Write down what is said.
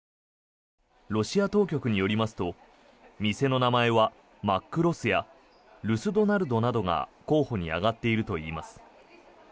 ロシア当局によりますと店の名前はＭａｋＲｏｓやＲｕｓＤｏｎａｌｄ’ｓなどが候補に挙がっているといいます。